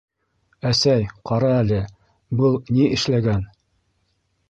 — Әсәй, ҡара әле, был ни эшләгән?!